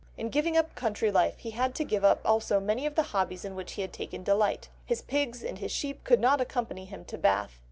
In giving up country life he had to give up also many of the hobbies in which he had taken delight; his pigs and his sheep could not accompany him to Bath.